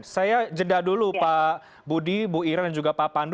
saya jeda dulu pak budi bu ira dan juga pak pandu